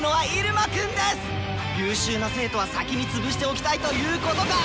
優秀な生徒は先に潰しておきたいということか！